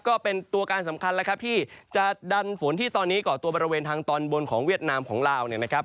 ก็เป็นตัวการสำคัญแล้วครับที่จะดันฝนที่ตอนนี้ก่อตัวบริเวณทางตอนบนของเวียดนามของลาวเนี่ยนะครับ